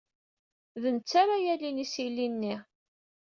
D netta ara yalin isili-nni.